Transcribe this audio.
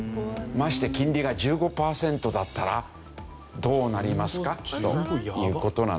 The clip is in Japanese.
まして金利が１５パーセントだったらどうなりますか？という事なんですよね。